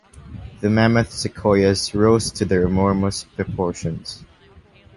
The mammoth sequoias rose to their enormous proportions.